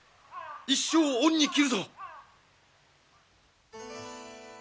一生恩に着るぞ！